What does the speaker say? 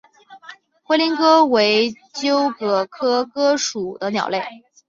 灰林鸽为鸠鸽科鸽属的鸟类。